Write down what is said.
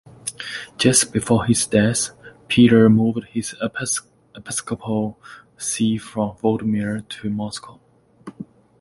Just before his death Peter moved his episcopal see from Vladimir to Moscow.